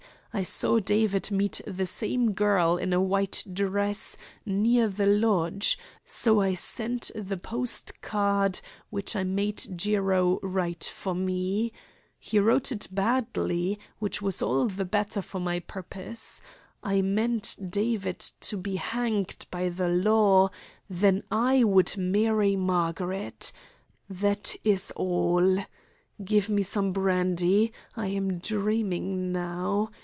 I saw David meet the same girl in a white dress near the lodge, so I sent the post card which I made Jiro write for me. He wrote it badly, which was all the better for my purpose. I meant David to be hanged by the law; then I would marry Margaret. That is all. Give me some brandy. I am dreaming now.